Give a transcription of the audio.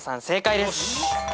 正解です。